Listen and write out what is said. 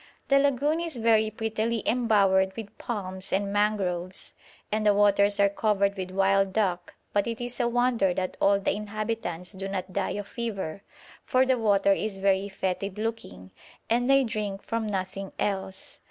The lagoon is very prettily embowered with palms and mangroves, and the waters are covered with wild duck, but it is a wonder that all the inhabitants do not die of fever, for the water is very fetid looking and they drink from nothing else.